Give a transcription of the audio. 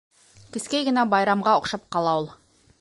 Кескәй генә байрамға оҡшап ҡала ул.